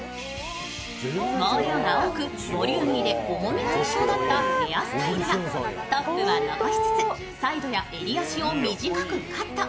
毛量が多くボリューミーで重めだったヘアスタイルはトップは残しつつ、サイドや襟足を短くカット。